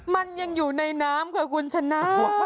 มันยังอยู่ในน้ำค่ะคุณชนะ